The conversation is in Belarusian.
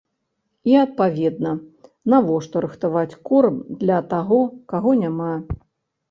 І, адпаведна, навошта рыхтаваць корм для таго, каго няма?